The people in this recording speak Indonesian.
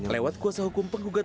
lewat kuasa hukum penggugat